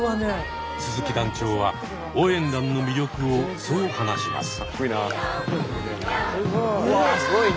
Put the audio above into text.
鈴木団長は応援団の魅力をそう話します。